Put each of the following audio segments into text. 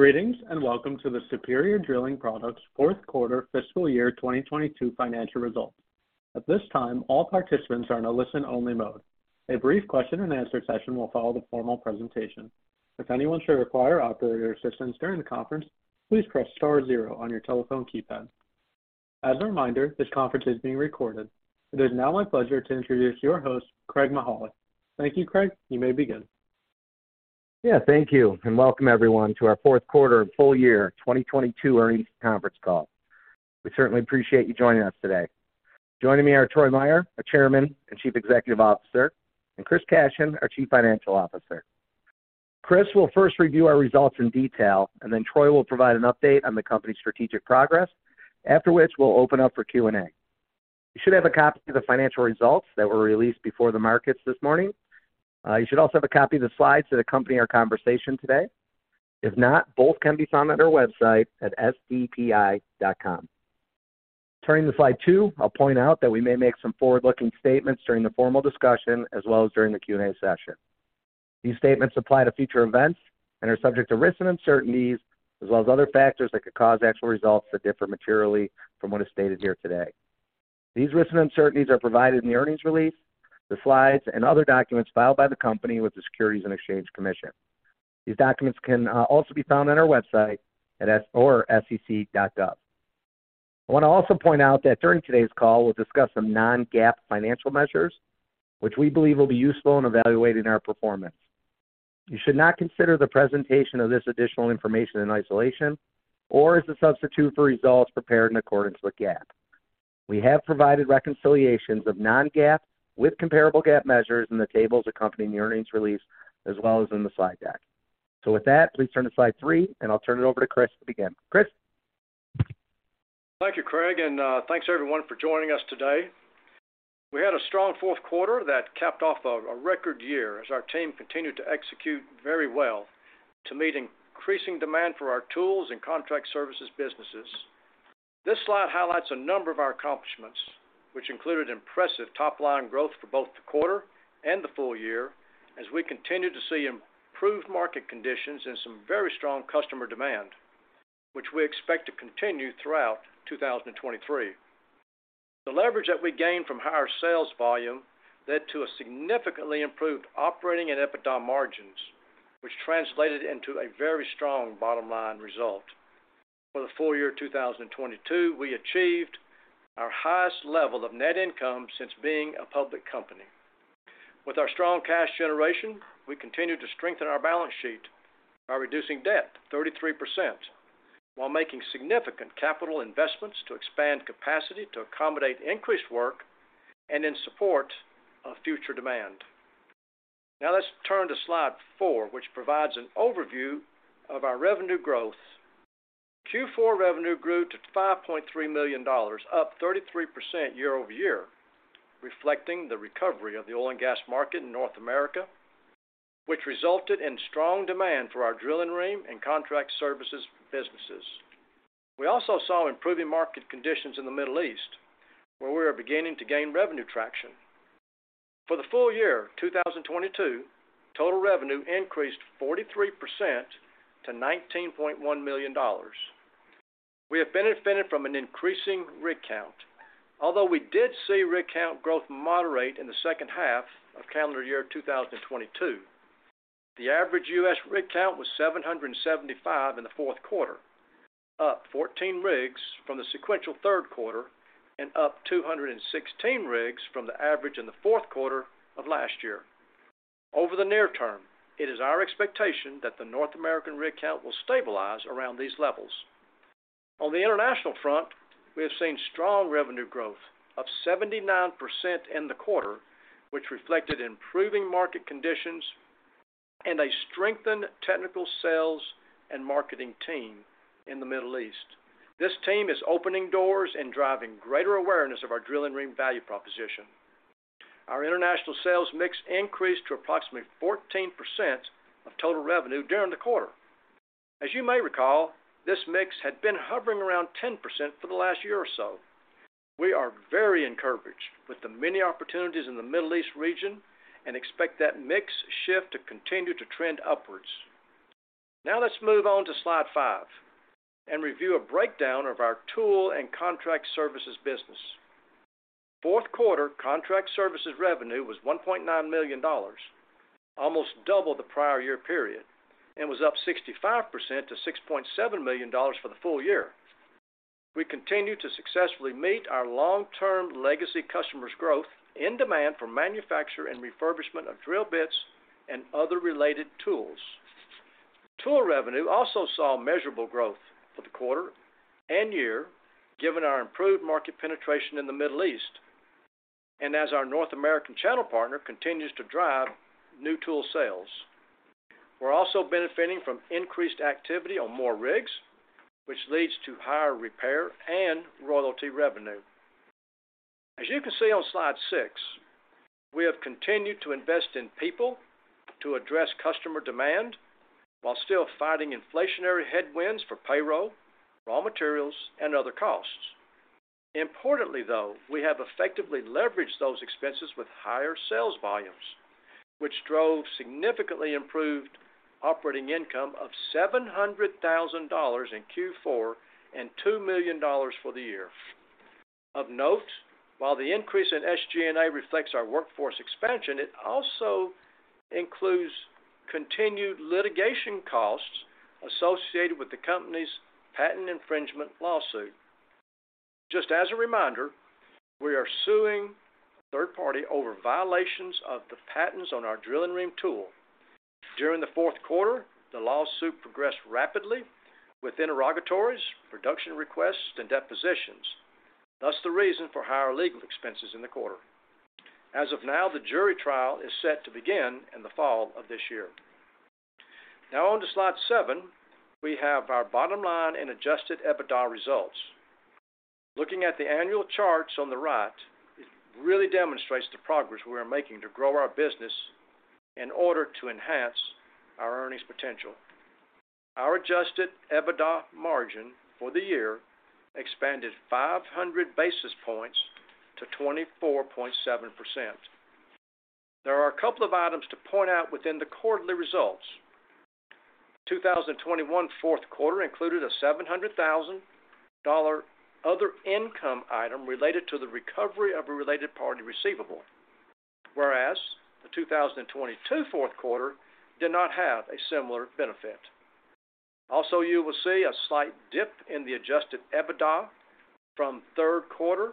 Greetings, welcome to the Superior Drilling Products fourth quarter fiscal year 2022 financial results. At this time, all participants are in a listen-only mode. A brief question-and-answer session will follow the formal presentation. If anyone should require operator assistance during the conference, please press star zero on your telephone keypad. As a reminder, this conference is being recorded. It is now my pleasure to introduce your host, Craig Mychajluk. Thank you, Craig. You may begin. Yeah, thank you. Welcome everyone to our fourth quarter and full year 2022 earnings conference call. We certainly appreciate you joining us today. Joining me are Troy Meier, our Chairman and Chief Executive Officer, and Chris Cashion, our Chief Financial Officer. Chris will first review our results in detail, then Troy will provide an update on the company's strategic progress. After which, we'll open up for Q&A. You should have a copy of the financial results that were released before the markets this morning. You should also have a copy of the slides that accompany our conversation today. If not, both can be found at our website at sdpi.com. Turning to slide two, I'll point out that we may make some forward-looking statements during the formal discussion as well as during the Q&A session. These statements apply to future events and are subject to risks and uncertainties as well as other factors that could cause actual results to differ materially from what is stated here today. These risks and uncertainties are provided in the earnings release, the slides, and other documents filed by the company with the Securities and Exchange Commission. These documents can also be found on our website or sec.gov. I wanna also point out that during today's call, we'll discuss some non-GAAP financial measures which we believe will be useful in evaluating our performance. You should not consider the presentation of this additional information in isolation or as a substitute for results prepared in accordance with GAAP. We have provided reconciliations of non-GAAP with comparable GAAP measures in the tables accompanying the earnings release as well as in the slide deck. With that, please turn to slide three, and I'll turn it over to Chris to begin. Chris. Thank you, Craig. Thanks everyone for joining us today. We had a strong fourth quarter that capped off a record year as our team continued to execute very well to meet increasing demand for our tools and contract services businesses. This slide highlights a number of our accomplishments, which included impressive top-line growth for both the quarter and the full year as we continued to see improved market conditions and some very strong customer demand, which we expect to continue throughout 2023. The leverage that we gained from higher sales volume led to a significantly improved operating and EBITDA margins, which translated into a very strong bottom-line result. For the full year 2022, we achieved our highest level of net income since being a public company. With our strong cash generation, we continued to strengthen our balance sheet by reducing debt 33% while making significant capital investments to expand capacity to accommodate increased work and in support of future demand. Let's turn to slide four, which provides an overview of our revenue growth. Q4 revenue grew to $5.3 million, up 33% year-over-year, reflecting the recovery of the oil and gas market in North America, which resulted in strong demand for our drilling rig and contract services businesses. We also saw improving market conditions in the Middle East, where we are beginning to gain revenue traction. For the full year 2022, total revenue increased 43% to $19.1 million. We have benefited from an increasing rig count, although we did see rig count growth moderate in the second half of calendar year 2022. The average U.S. rig count was 775 in the 4th quarter, up 14 rigs from the sequential 3rd quarter and up 216 rigs from the average in the 4th quarter of last year. Over the near term, it is our expectation that the North American rig count will stabilize around these levels. On the international front, we have seen strong revenue growth of 79% in the quarter, which reflected improving market conditions and a strengthened technical sales and marketing team in the Middle East. This team is opening doors and driving greater awareness of our drilling rig value proposition. Our international sales mix increased to approximately 14% of total revenue during the quarter. As you may recall, this mix had been hovering around 10% for the last year or so. We are very encouraged with the many opportunities in the Middle East region and expect that mix shift to continue to trend upwards. Now let's move on to slide five and review a breakdown of our tool and contract services business. Fourth quarter contract services revenue was $1.9 million, almost double the prior year period, and was up 65% to $6.7 million for the full year. We continue to successfully meet our long-term legacy customers' growth in demand for manufacture and refurbishment of drill bits and other related tools. Tool revenue also saw measurable growth for the quarter and year, given our improved market penetration in the Middle East and as our North American channel partner continues to drive new tool sales. We're also benefiting from increased activity on more rigs, which leads to higher repair and royalty revenue. As you can see on slide six, we have continued to invest in people to address customer demand while still fighting inflationary headwinds for payroll, raw materials, and other costs. Importantly though, we have effectively leveraged those expenses with higher sales volumes, which drove significantly improved operating income of $700,000 in Q4 and $2 million for the year. Of note, while the increase in SG&A reflects our workforce expansion, it also includes continued litigation costs associated with the company's patent infringement lawsuit. Just as a reminder, we are suing a third party over violations of the patents on our Drill-N-Ream tool. During the fourth quarter, the lawsuit progressed rapidly with interrogatories, production requests, and depositions. The reason for higher legal expenses in the quarter. As of now, the jury trial is set to begin in the fall of this year. On to slide seven, we have our bottom line and Adjusted EBITDA results. Looking at the annual charts on the right, it really demonstrates the progress we are making to grow our business in order to enhance our earnings potential. Our Adjusted EBITDA margin for the year expanded 500 basis points to 24.7%. There are a couple of items to point out within the quarterly results. 2021 fourth quarter included a $700,000 other income item related to the recovery of a related party receivable, whereas the 2022 fourth quarter did not have a similar benefit. Also, you will see a slight dip in the Adjusted EBITDA from third quarter.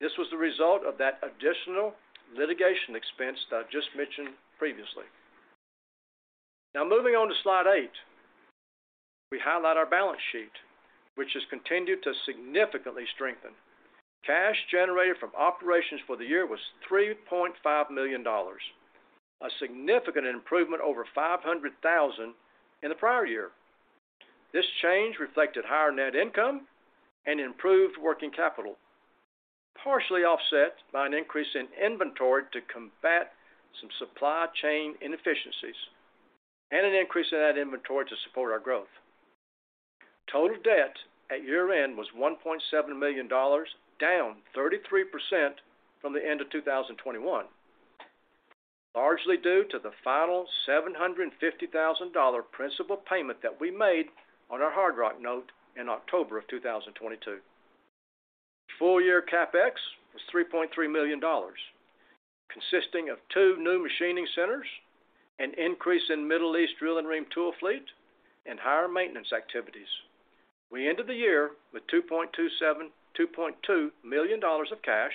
This was the result of that additional litigation expense that I just mentioned previously. Moving on to slide eight, we highlight our balance sheet, which has continued to significantly strengthen. Cash generated from operations for the year was $3.5 million, a significant improvement over $500,000 in the prior year. This change reflected higher net income and improved working capital, partially offset by an increase in inventory to combat some supply chain inefficiencies and an increase in that inventory to support our growth. Total debt at year-end was $1.7 million, down 33% from the end of 2021, largely due to the final $750,000 principal payment that we made on our Hard Rock Note in October of 2022. Full year CapEx was $3.3 million, consisting of two new machining centers, an increase in Middle East Drill-N-Ream tool fleet, and higher maintenance activities. We ended the year with $2.2 million of cash,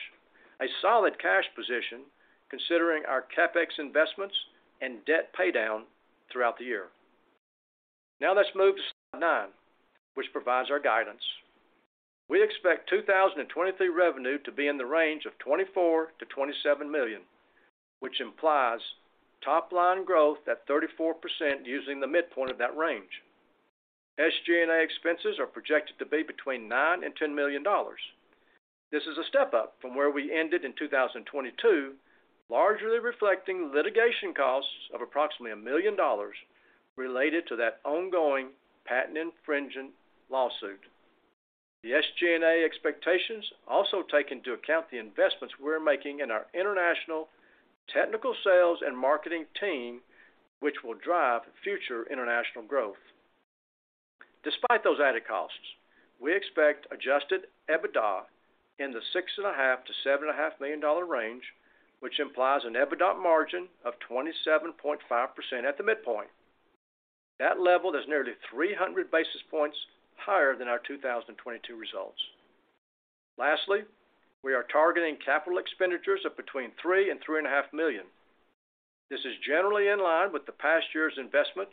a solid cash position considering our CapEx investments and debt paydown throughout the year. Let's move to slide nine, which provides our guidance. We expect 2023 revenue to be in the range of $24 million-$27 million, which implies top line growth at 34% using the midpoint of that range. SG&A expenses are projected to be between $9 million and $10 million. This is a step up from where we ended in 2022, largely reflecting litigation costs of approximately $1 million related to that ongoing patent infringement lawsuit. The SG&A expectations also take into account the investments we're making in our international technical sales and marketing team, which will drive future international growth. Despite those added costs, we expect Adjusted EBITDA in the $6.5 million-$7.5 million range, which implies an EBITDA margin of 27.5% at the midpoint. That level is nearly 300 basis points higher than our 2022 results. We are targeting CapEx of between $3 and $3.5 million. This is generally in line with the past year's investment,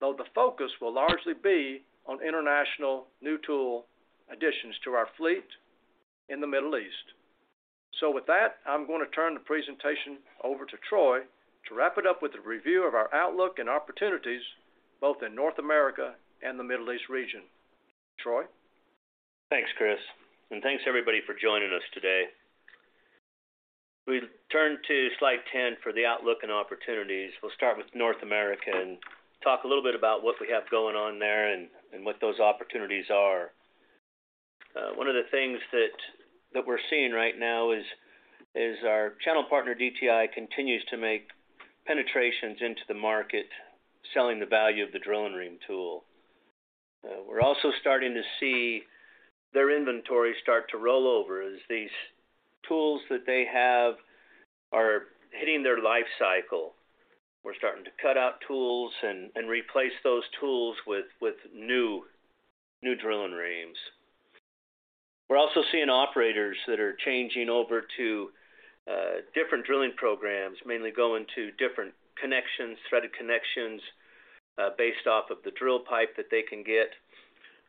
though the focus will largely be on international new tool additions to our fleet in the Middle East. With that, I'm going to turn the presentation over to Troy to wrap it up with a review of our outlook and opportunities both in North America and the Middle East region. Troy? Thanks, Chris. Thanks everybody for joining us today. We turn to slide 10 for the outlook and opportunities. We'll start with North America and talk a little bit about what we have going on there and what those opportunities are. One of the things that we're seeing right now is our channel partner DTI continues to make penetrations into the market, selling the value of the Drill-N-Ream tool. We're also starting to see their inventory start to roll over as these tools that they have are hitting their life cycle. We're starting to cut out tools and replace those tools with new Drill-N-Reams. We're also seeing operators that are changing over to different drilling programs, mainly going to different connections, threaded connections, based off of the drill pipe that they can get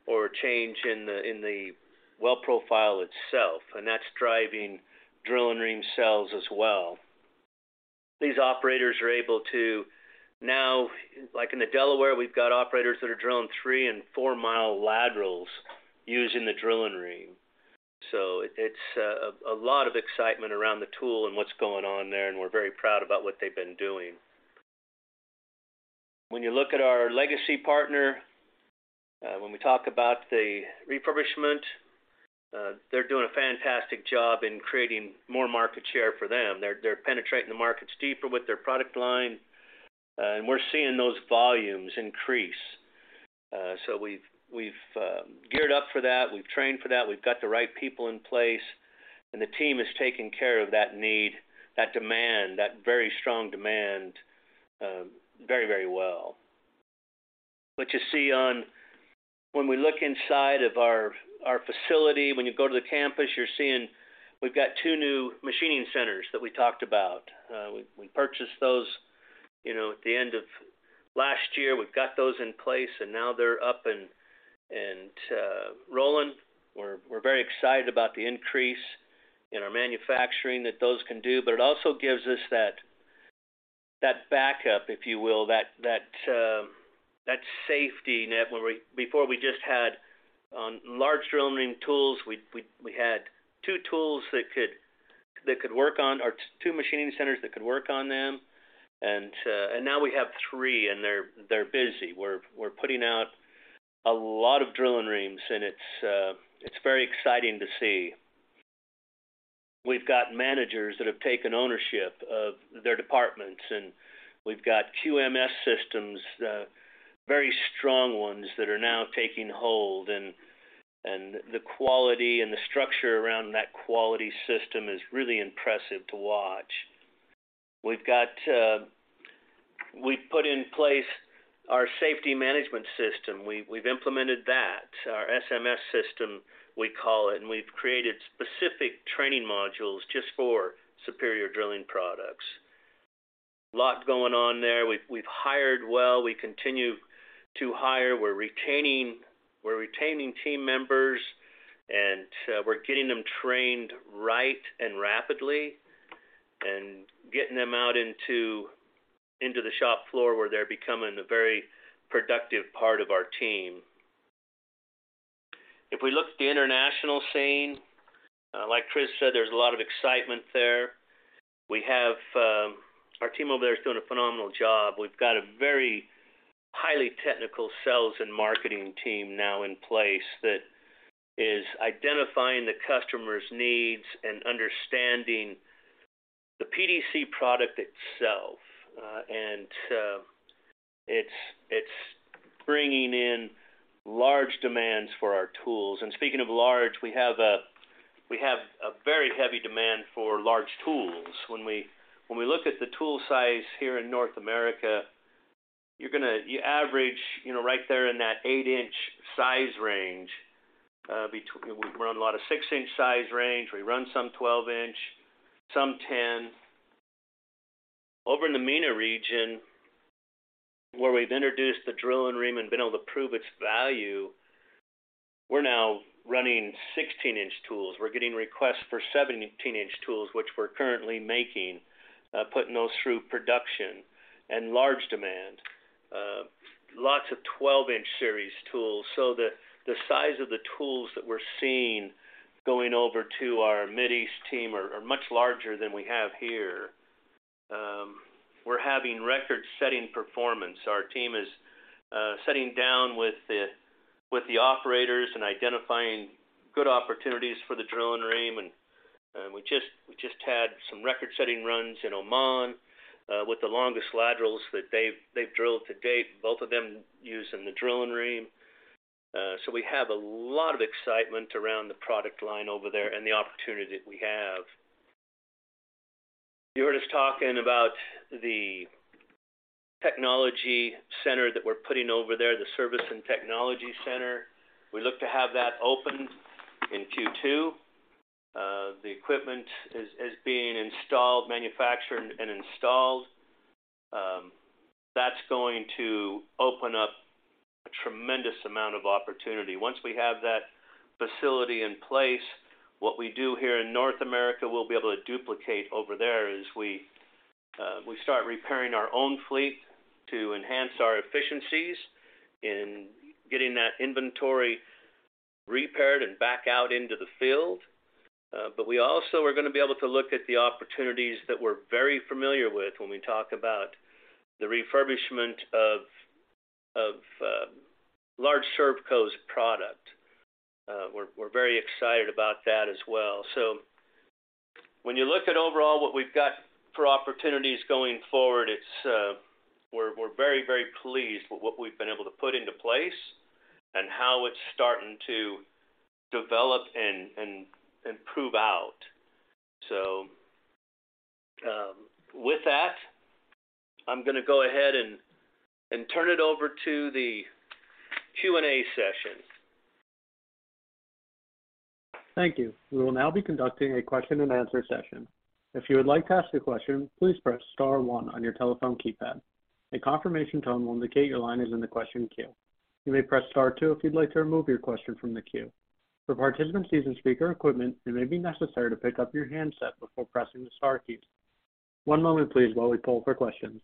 or change in the, in the well profile itself, and that's driving Drill-N-Ream sales as well. These operators are able to now, like in the Delaware, we've got operators that are drilling three- and four-mile laterals using the Drill-N-Ream. It's a lot of excitement around the tool and what's going on there, and we're very proud about what they've been doing. When you look at our legacy partner, when we talk about the refurbishment, they're doing a fantastic job in creating more market share for them. They're penetrating the markets deeper with their product line, and we're seeing those volumes increase. We've geared up for that. We've trained for that. We've got the right people in place. The team is taking care of that need, that demand, that very strong demand, very, very well. What you see when we look inside of our facility, when you go to the campus, you're seeing we've got two new machining centers that we talked about. We purchased those, you know, at the end of last year. We've got those in place. Now they're up and rolling. We're very excited about the increase in our manufacturing that those can do. It also gives us that backup, if you will, that safety net before we just had large Drill-N-Ream tools. We had two tools that could work on or two machining centers that could work on them. Now we have three, and they're busy. We're putting out a lot of Drill-N-Reams, and it's very exciting to see. We've got managers that have taken ownership of their departments, and we've got QMS systems, very strong ones that are now taking hold, and the quality and the structure around that quality system is really impressive to watch. We've got, we've put in place our safety management system. We've implemented that, our SMS system, we call it, and we've created specific training modules just for Superior Drilling Products. Lot going on there. We've hired well. We continue to hire. We're retaining team members, and we're getting them trained right and rapidly and getting them out into the shop floor where they're becoming a very productive part of our team. If we look at the international scene, like Chris said, there's a lot of excitement there. We have, our team over there is doing a phenomenal job. We've got a very highly technical sales and marketing team now in place that is identifying the customer's needs and understanding the PDC product itself. It's bringing in large demands for our tools. Speaking of large, we have a very heavy demand for large tools. When we look at the tool size here in North America, you average, you know, right there in that 8-inch size range, we run a lot of 6-inch size range. We run some 12-inch, some 10-inch. Over in the MENA region, where we've introduced the Drill-N-Ream and been able to prove its value, we're now running 16-inch tools. We're getting requests for 17-inch tools, which we're currently making, putting those through production and large demand. Lots of 12-inch series tools. The size of the tools that we're seeing going over to our Mid East team are much larger than we have here. We're having record-setting performance. Our team is sitting down with the operators and identifying good opportunities for the Drill-N-Ream. We just had some record-setting runs in Oman, with the longest laterals that they've drilled to date, both of them using the Drill-N-Ream. We have a lot of excitement around the product line over there and the opportunity that we have. You heard us talking about the technology center that we're putting over there, the service and technology center. We look to have that open in Q2. The equipment is being installed, manufactured, and installed. That's going to open up a tremendous amount of opportunity. Once we have that facility in place, what we do here in North America, we'll be able to duplicate over there as we start repairing our own fleet to enhance our efficiencies in getting that inventory repaired and back out into the field. We also are gonna be able to look at the opportunities that we're very familiar with when we talk about the refurbishment of large Servcos product. We're very excited about that as well. When you look at overall what we've got for opportunities going forward, it's very, very pleased with what we've been able to put into place and how it's starting to develop and prove out. With that, I'm gonna go ahead and turn it over to the Q&A session. Thank you. We will now be conducting a question and answer session. If you would like to ask a question, please press star one on your telephone keypad. A confirmation tone will indicate your line is in the question queue. You may press star two if you'd like to remove your question from the queue. For participants using speaker equipment, it may be necessary to pick up your handset before pressing the star key. One moment please while we poll for questions.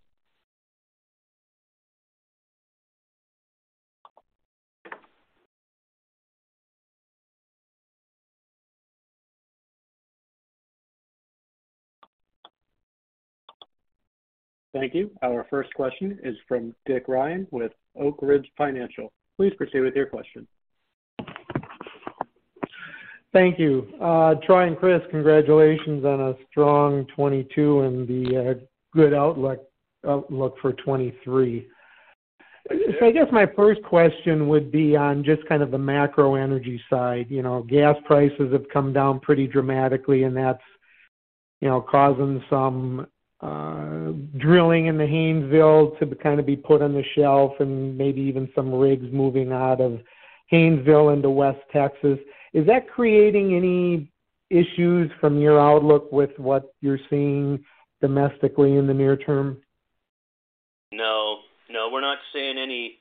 Thank you. Our first question is from Richard Ryan with Oak Ridge Financial. Please proceed with your question. Thank you. Troy and Chris, congratulations on a strong 2022 and the good outlook for 2023. I guess my first question would be on just kind of the macro energy side. You know, gas prices have come down pretty dramatically, and that's, you know, causing some drilling in the Haynesville kind of be put on the shelf and maybe even some rigs moving out of Haynesville into West Texas. Is that creating any issues from your outlook with what you're seeing domestically in the near term? No. No, we're not seeing any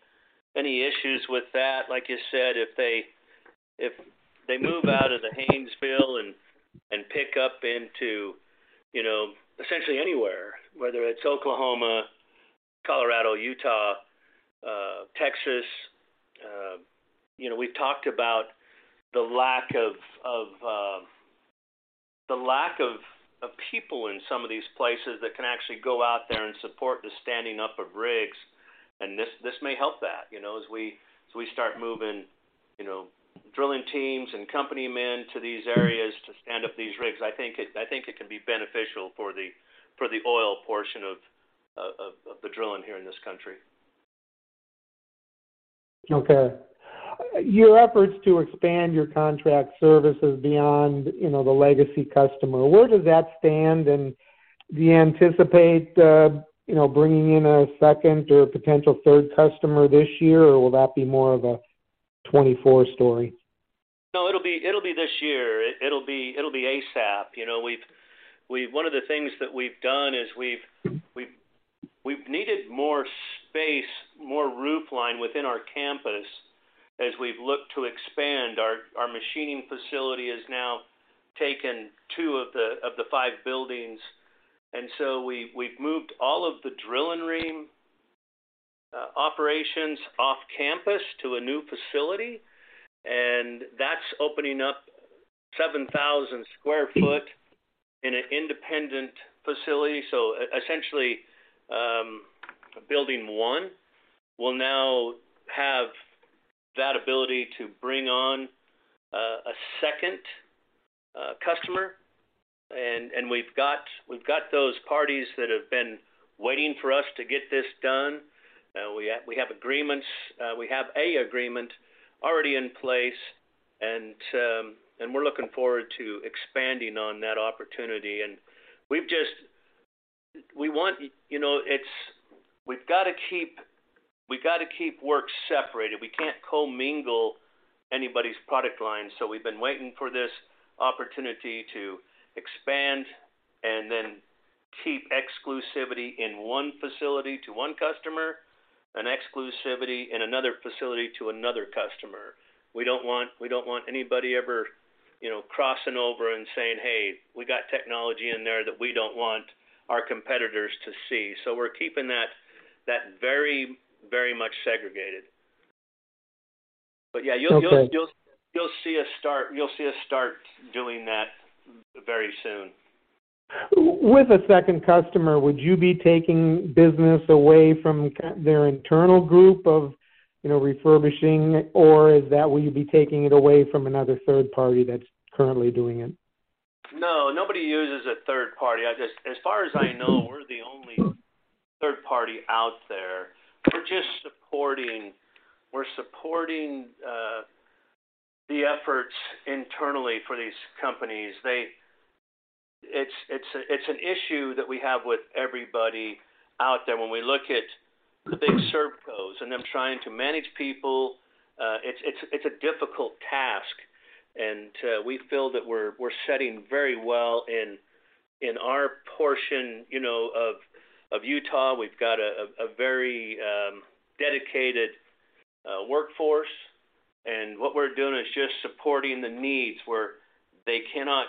issues with that. Like you said, if they, if they move out of the Haynesville and pick up into, you know, essentially anywhere, whether it's Oklahoma, Colorado, Utah, Texas, you know, we've talked about the lack of people in some of these places that can actually go out there and support the standing up of rigs, and this may help that, you know. As we start moving, you know, drilling teams and company men to these areas to stand up these rigs, I think it could be beneficial for the oil portion of the drilling here in this country. Okay. Your efforts to expand your contract services beyond, you know, the legacy customer, where does that stand? Do you anticipate, you know, bringing in a second or potential third customer this year, or will that be more of a 2024 story? No, it'll be this year. It'll be ASAP. You know, one of the things that we've done is we've needed more space, more roof line within our campus as we've looked to expand. Our machining facility has now taken two of the five buildings. We've moved all of the Drill-N-Ream operations off campus to a new facility, and that's opening up 7,000 sq ft in an independent facility. Essentially, building one will now have that ability to bring on a second customer. We've got those parties that have been waiting for us to get this done. We have a agreement already in place, and we're looking forward to expanding on that opportunity. We want... You know, we've got to keep work separated. We can't co-mingle anybody's product line. We've been waiting for this opportunity to expand and then keep exclusivity in one facility to one customer and exclusivity in another facility to another customer. We don't want anybody ever, you know, crossing over and saying, "Hey, we got technology in there that we don't want our competitors to see." We're keeping that very, very much segregated. Okay You'll see us start doing that very soon. With a second customer, would you be taking business away from their internal group of, you know, refurbishing, or is that, will you be taking it away from another third party that's currently doing it? No. Nobody uses a third party. As far as I know, we're the only third party out there. We're just supporting the efforts internally for these companies. It's an issue that we have with everybody out there. When we look at the big Servcos and them trying to manage people, it's a difficult task. We feel that we're setting very well in our portion, you know, of Utah. We've got a very dedicated workforce, and what we're doing is just supporting the needs where they cannot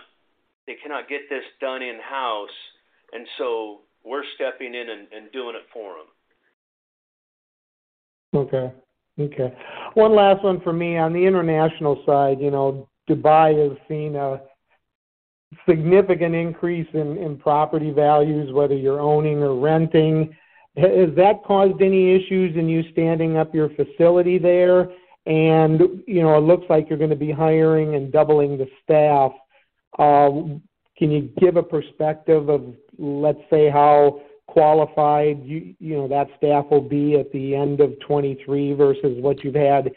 get this done in-house. We're stepping in and doing it for them. Okay. Okay. One last one for me. On the international side, you know, Dubai has seen a significant increase in property values, whether you're owning or renting. Has that caused any issues in you standing up your facility there? You know, it looks like you're gonna be hiring and doubling the staff. Can you give a perspective of, let's say, how qualified you know, that staff will be at the end of 2023 versus what you've had,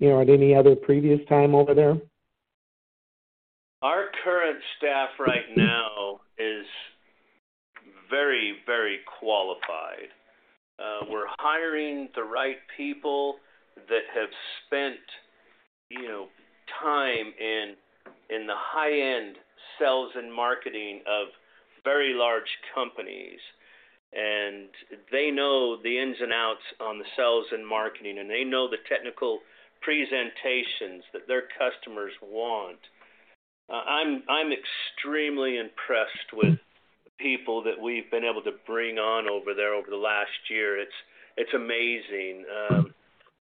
you know, at any other previous time over there? Our current staff right now is very, very qualified. We're hiring the right people that have spent, you know, time in the high-end sales and marketing of very large companies, and they know the ins and outs on the sales and marketing, and they know the technical presentations that their customers want. I'm extremely impressed with people that we've been able to bring on over there over the last year. It's amazing.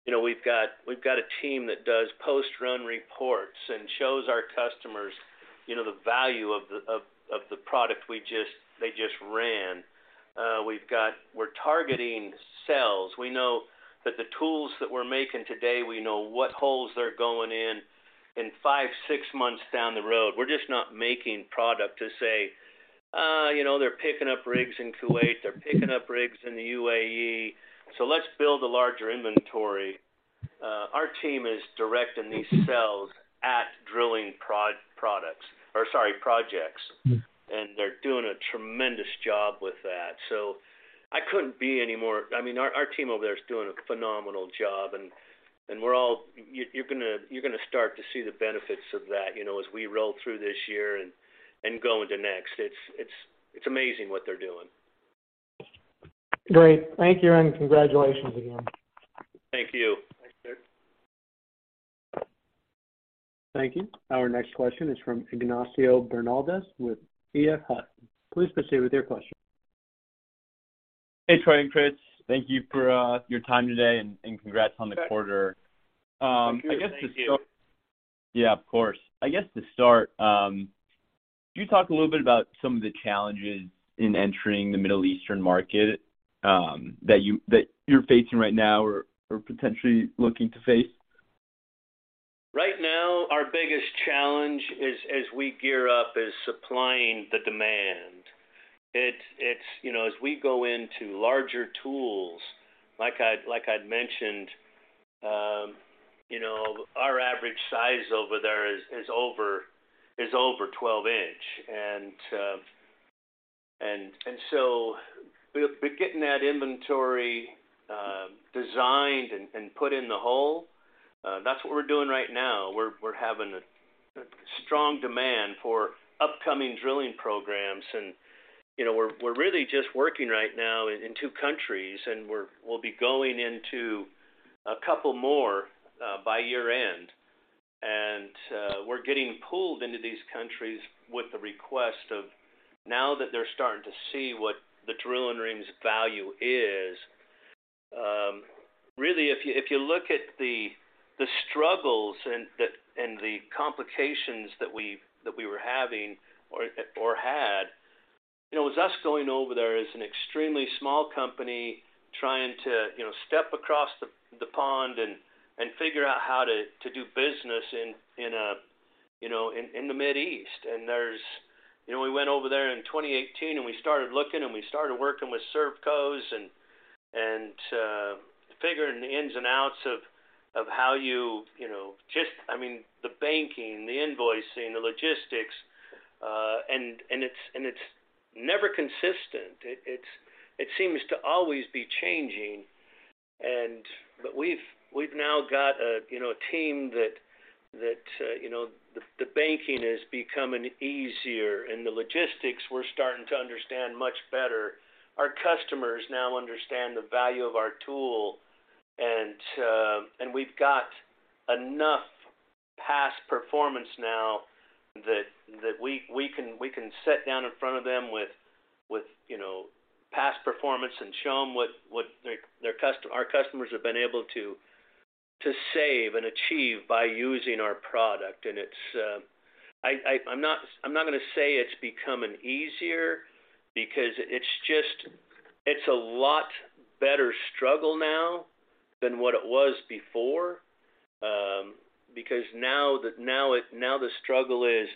You know, we've got a team that does post-run reports and shows our customers, you know, the value of the product they just ran. We're targeting sales. We know that the tools that we're making today, we know what holes they're going in five, six months down the road. We're just not making product to say, "You know, they're picking up rigs in Kuwait, they're picking up rigs in the UAE, so let's build a larger inventory." Our team is directing these sales at drilling products or, sorry, projects. They're doing a tremendous job with that. I couldn't be any more... I mean, our team over there is doing a phenomenal job, and we're all... You're gonna start to see the benefits of that, you know, as we roll through this year and go into next. It's amazing what they're doing. Great. Thank you, and congratulations again. Thank you. Thanks, sir. Thank you. Our next question is from Ignacio Bernaldez with EF Hutton. Please proceed with your question. Hey, Troy and Chris. Thank you for your time today, and congrats on the quarter. Thank you. I guess to start- Thank you. Yeah. Of course. I guess to start, can you talk a little bit about some of the challenges in entering the Middle Eastern market that you're facing right now or potentially looking to face? Right now, our biggest challenge is, as we gear up, is supplying the demand. It's, you know, as we go into larger tools, like I'd mentioned, you know, our average size over there is over 12 inch. We've been getting that inventory, designed and put in the hole. That's what we're doing right now. We're having a strong demand for upcoming drilling programs and, you know, we're really just working right now in two countries, and we'll be going into a couple more by year-end. We're getting pulled into these countries with the request of now that they're starting to see what the drilling rig's value is. Really, if you, if you look at the struggles and the, and the complications that we were having or had, you know, it was us going over there as an extremely small company trying to, you know, step across the pond and figure out how to do business in a, you know, in the Mid East. You know, we went over there in 2018 and we started looking and we started working with Servcos and figuring the ins and outs of how you know, just. I mean, the banking, the invoicing, the logistics. It's, and it's never consistent. It seems to always be changing. But we've now got a, you know, a team that, you know, the banking is becoming easier and the logistics we're starting to understand much better. Our customers now understand the value of our tool and we've got enough past performance now that we can sit down in front of them with, you know, past performance and show them what our customers have been able to save and achieve by using our product. It's. I'm not gonna say it's becoming easier because it's just, it's a lot better struggle now than what it was before. Because now the struggle is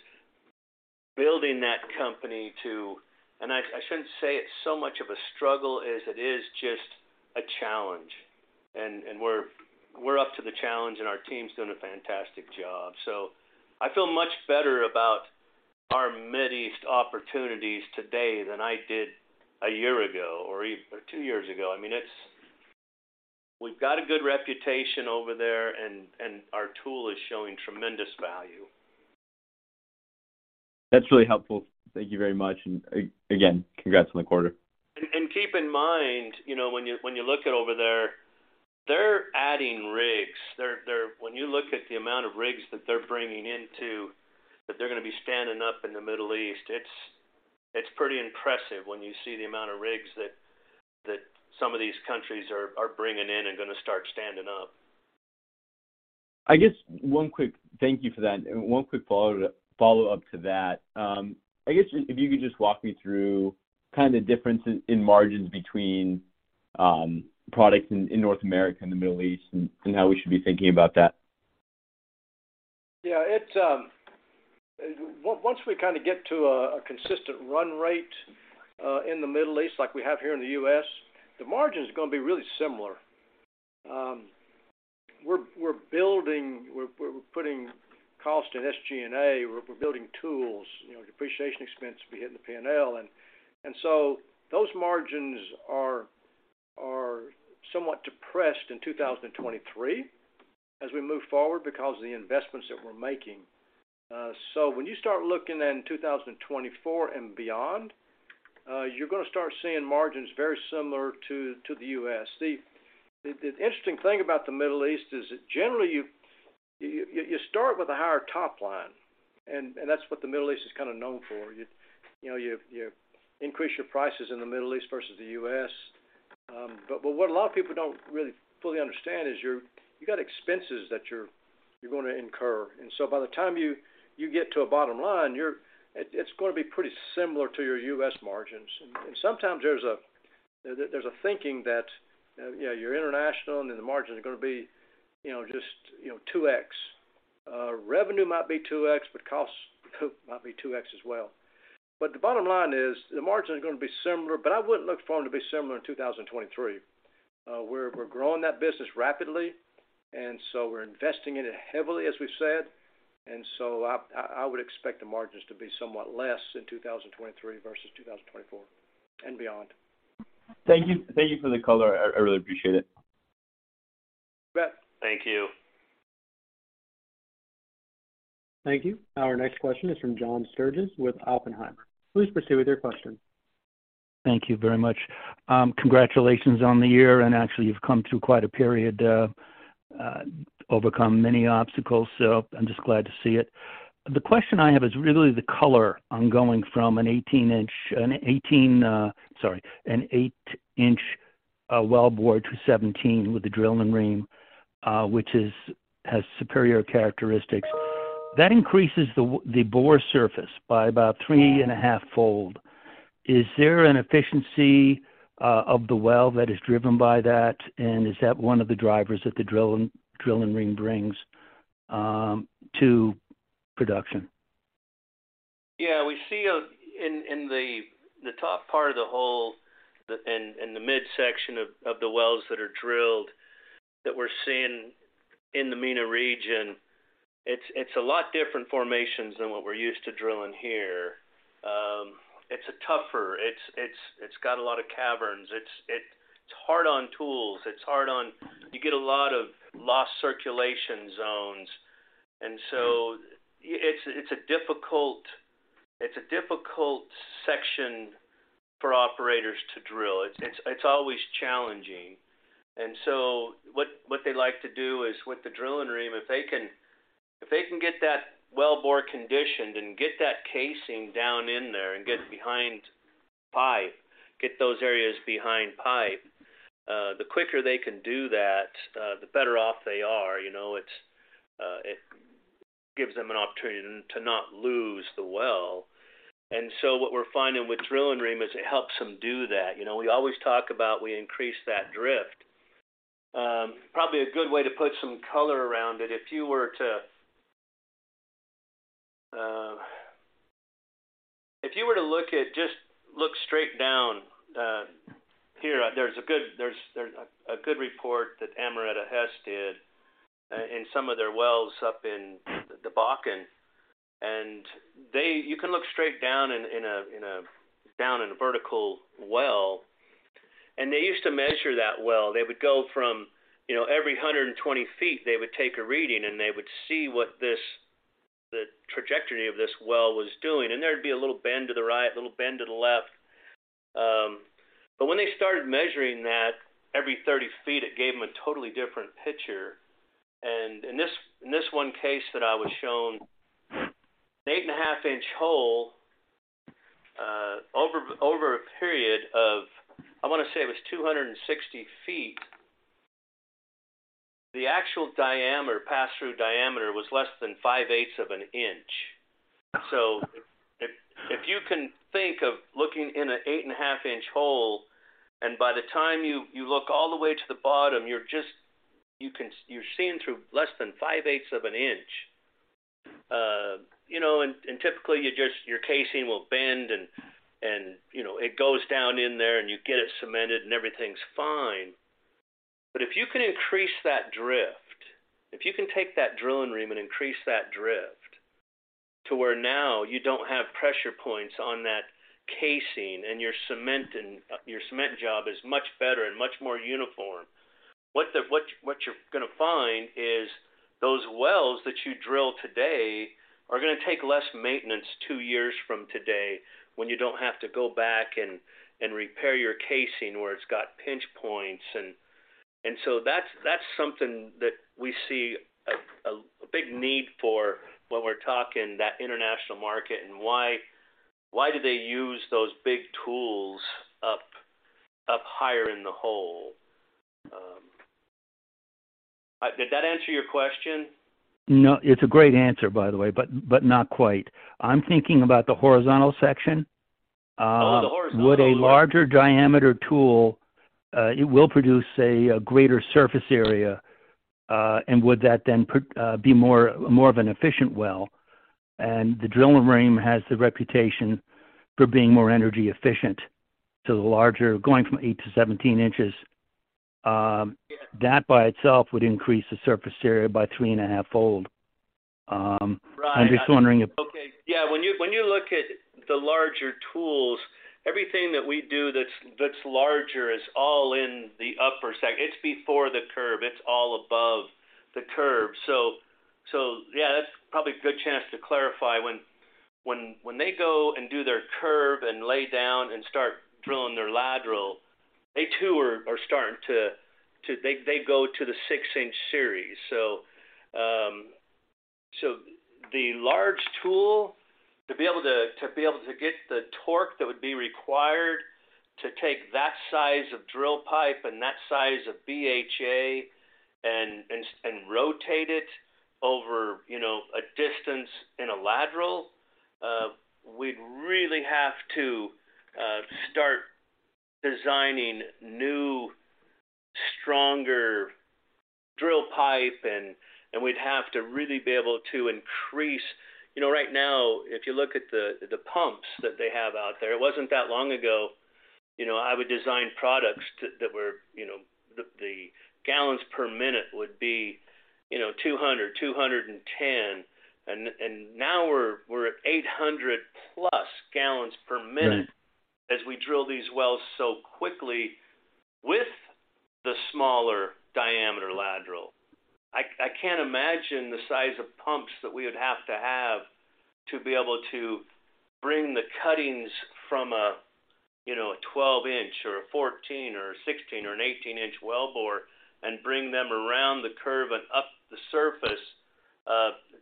building that company to. I shouldn't say it's so much of a struggle as it is just a challenge. We're up to the challenge, and our team's doing a fantastic job. I feel much better about our Mid East opportunities today than I did a year ago or two years ago. I mean, we've got a good reputation over there and our tool is showing tremendous value. That's really helpful. Thank you very much. Again, congrats on the quarter. Keep in mind, you know, when you look at over there, they're adding rigs. When you look at the amount of rigs that they're bringing in that they're gonna be standing up in the Middle East, it's pretty impressive when you see the amount of rigs that some of these countries are bringing in and gonna start standing up. I guess thank you for that. One quick follow-up to that. I guess if you could just walk me through kind of difference in margins between products in North America and the Middle East and how we should be thinking about that. Yeah. It's, once we kinda get to a consistent run rate in the Middle East like we have here in the U.S., the margin's gonna be really similar. We're putting cost in SG&A. We're building tools. You know, depreciation expense will be hitting the P&L. So those margins are somewhat depressed in 2023 as we move forward because of the investments that we're making. When you start looking then 2024 and beyond, you're gonna start seeing margins very similar to the U.S. The interesting thing about the Middle East is that generally you- You start with a higher top line, and that's what the Middle East is kind of known for. You know, you increase your prices in the Middle East versus the U.S. What a lot of people don't really fully understand is you got expenses that you're going to incur. By the time you get to a bottom line, it's going to be pretty similar to your U.S. margins. Sometimes there's a thinking that, you know, you're international and then the margins are going to be, you know, just, you know, 2x. Revenue might be 2x, but costs might be 2x as well. The bottom line is the margin is gonna be similar, but I wouldn't look for them to be similar in 2023. We're growing that business rapidly, and so we're investing in it heavily, as we've said. I would expect the margins to be somewhat less in 2023 versus 2024 and beyond. Thank you. Thank you for the color. I really appreciate it. You bet. Thank you. Thank you. Our next question is from John Sturges with Oppenheimer. Please proceed with your question. Thank you very much. Congratulations on the year, and actually you've come through quite a period, overcome many obstacles, so I'm just glad to see it. The question I have is really the color on going from an 8-inch well bore to 17 with the Drill-N-Ream, which has superior characteristics. That increases the bore surface by about 3.5-fold. Is there an efficiency of the well that is driven by that? Is that one of the drivers that the Drill-N-Ream brings to production? Yeah, we see in the top part of the hole and the midsection of the wells that are drilled that we're seeing in the MENA region, it's a lot different formations than what we're used to drilling here. It's a tougher. It's got a lot of caverns. It's hard on tools. You get a lot of lost circulation zones. It's a difficult section for operators to drill. It's always challenging. What they like to do is with the Drill-N-Ream, if they can get that well bore conditioned and get that casing down in there and get behind pipe, get those areas behind pipe, the quicker they can do that, the better off they are. You know, it gives them an opportunity to not lose the well. What we're finding with Drill-N-Ream is it helps them do that. You know, we always talk about we increase that drift. Probably a good way to put some color around it, if you were to. If you were to look at, just look straight down here, there's a good report that Amerada Hess did in some of their wells up in the Bakken. You can look straight down in a vertical well, and they used to measure that well. They would go from, you know, every 120 feet, they would take a reading, and they would see what the trajectory of this well was doing. There'd be a little bend to the right, a little bend to the left. When they started measuring that every 30 feet, it gave them a totally different picture. In this one case that I was shown, an 8.5 inch hole, over a period of, I want to say it was 260 feet. The actual diameter, pass-through diameter was less than 5/8 of an inch. If you can think of looking in a 8.5 inch hole, and by the time you look all the way to the bottom, you're seeing through less than 5/8 of an inch. You know, and typically, your casing will bend and, you know, it goes down in there and you get it cemented and everything's fine. If you can increase that drift, if you can take that Drill-N-Ream and increase that drift to where now you don't have pressure points on that casing and your cement job is much better and much more uniform, what you're gonna find is those wells that you drill today are gonna take less maintenance two years from today when you don't have to go back and repair your casing where it's got pinch points. That's something that we see a big need for when we're talking that international market and why do they use those big tools up higher in the hole. Did that answer your question? No. It's a great answer, by the way, but not quite. I'm thinking about the horizontal section. Oh, the horizontal section. Would a larger diameter tool, it will produce a greater surface area, and would that then be more of an efficient well? And the Drill-N-Ream has the reputation for being more energy efficient. So the larger, going from 8 to 17 inches, Yeah. That by itself would increase the surface area by three and a half fold. Right. I'm just wondering if- Okay. Yeah. When you look at the larger tools, everything that we do that's larger is all in the upper. It's before the curve, it's all above the curve. Yeah, that's probably a good chance to clarify when they go and do their curve and lay down and start drilling their lateral. They too are starting to. They go to the six-inch series. The large tool, to be able to get the torque that would be required to take that size of drill pipe and that size of BHA and rotate it over, you know, a distance in a lateral, we'd really have to start designing new, stronger drill pipe and we'd have to really be able to increase... You know, right now if you look at the pumps that they have out there, it wasn't that long ago, you know, I would design products to that were, you know, the gallons per minute would be, you know, 200, 210 and now we're at 800+ gallons per minute. Right As we drill these wells so quickly with the smaller diameter lateral. I can't imagine the size of pumps that we would have to have to be able to bring the cuttings from a, you know, a 12 inch or a 14 or a 16 or an 18 inch well bore and bring them around the curve and up the surface.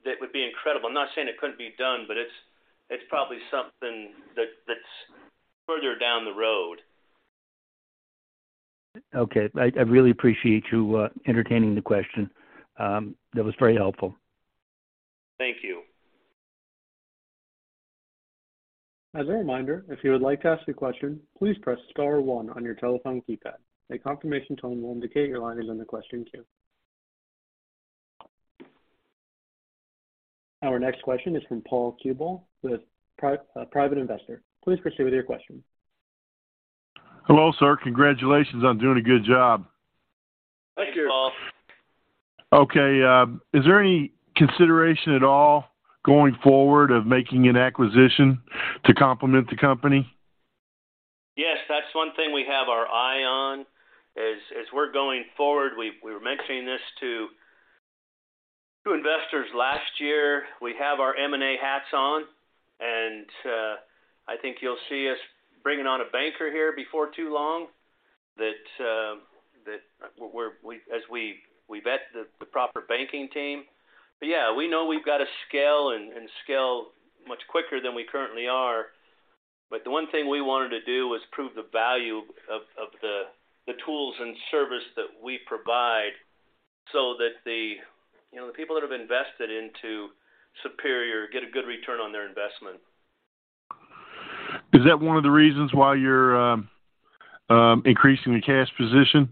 That would be incredible. I'm not saying it couldn't be done, but it's probably something that's further down the road. Okay. I really appreciate you entertaining the question. That was very helpful. Thank you. As a reminder, if you would like to ask a question, please press star one on your telephone keypad. A confirmation tone will indicate your line is in the question queue. Our next question is from Paul Cuball with private investor. Please proceed with your question. Hello, sir. Congratulations on doing a good job. Thank you. Thank you, Paul. Okay. Is there any consideration at all going forward of making an acquisition to complement the company? Yes, that's one thing we have our eye on. As we're going forward, we were mentioning this to investors last year. We have our M&A hats on, and I think you'll see us bringing on a banker here before too long that as we vet the proper banking team. Yeah, we know we've got to scale and scale much quicker than we currently are. The one thing we wanted to do was prove the value of the tools and service that we provide so that, you know, the people that have invested into Superior get a good return on their investment. Is that one of the reasons why you're increasing the cash position?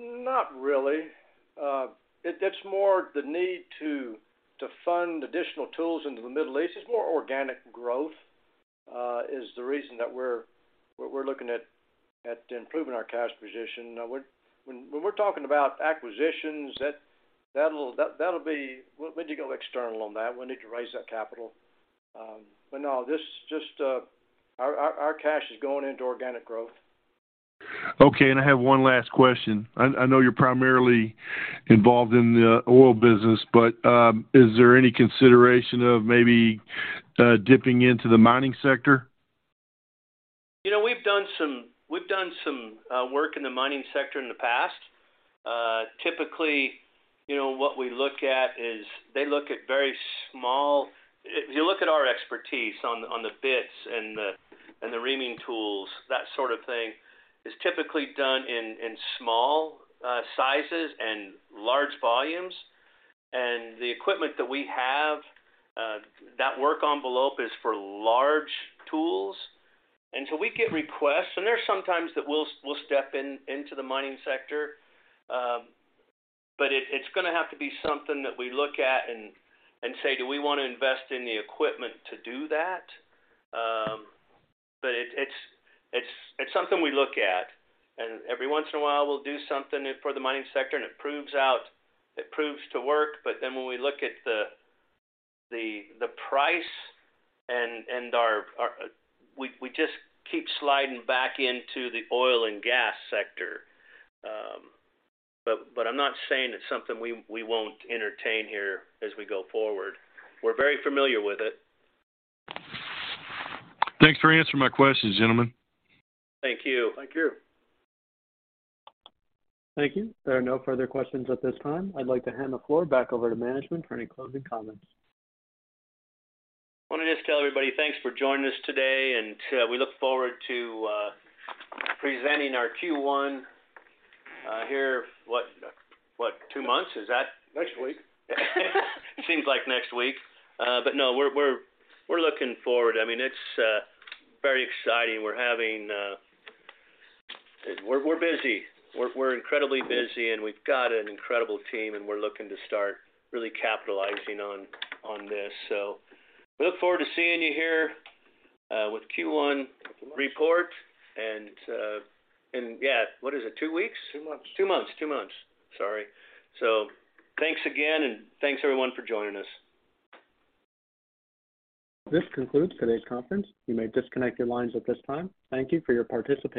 Not really. It's more the need to fund additional tools into the Middle East. It's more organic growth is the reason that we're looking at improving our cash position. When we're talking about acquisitions, we'll need to go external on that. We'll need to raise that capital. No, this just, our cash is going into organic growth. Okay. I have one last question. I know you're primarily involved in the oil business, but, is there any consideration of maybe dipping into the mining sector? You know, we've done some work in the mining sector in the past. Typically, you know, what we look at is If you look at our expertise on the bits and the reaming tools, that sort of thing, is typically done in small sizes and large volumes. The equipment that we have, that work envelope is for large tools. We get requests and there are some times that we'll step into the mining sector. It's gonna have to be something that we look at and say, "Do we wanna invest in the equipment to do that?" It's something we look at. Every once in a while we'll do something for the mining sector and it proves out, it proves to work. When we look at the price, we just keep sliding back into the oil and gas sector. I'm not saying it's something we won't entertain here as we go forward. We're very familiar with it. Thanks for answering my questions, gentlemen. Thank you. Thank you. Thank you. There are no further questions at this time. I'd like to hand the floor back over to management for any closing comments. I wanna just tell everybody thanks for joining us today, and we look forward to presenting our Q1 here, what? What, two months? Next week. Seems like next week. No, we're looking forward. I mean, it's very exciting. We're busy. We're incredibly busy, and we've got an incredible team, and we're looking to start really capitalizing on this. We look forward to seeing you here with Q1. Few months Report and yeah, what is it, two weeks? Two months. Two months. Sorry. Thanks again, and thanks everyone for joining us. This concludes today's conference. You may disconnect your lines at this time. Thank you for your participation.